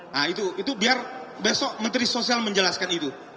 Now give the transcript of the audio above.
nah itu itu biar besok menteri sosial menjelaskan itu